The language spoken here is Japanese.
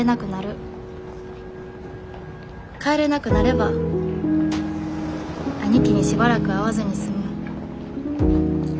帰れなくなれば兄貴にしばらく会わずに済む。